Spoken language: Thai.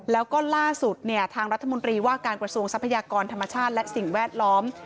แล้วก็ล่าสุดเนี่ยทางรัฐมนตรีว่าการกระทรวงทรัพยากรธรรมชาติและสิ่งแวดล้อม